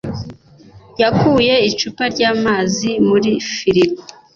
yakuye icupa ryamazi muri firigo.